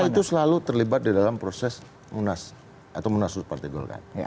istana itu selalu terlibat di dalam proses munasud atau munasud partai golkar